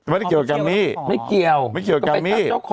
ไม่เกี่ยวกับแกมมี่ไม่เกี่ยวกับแกมมี่